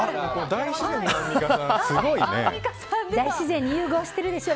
大自然に融合してるでしょ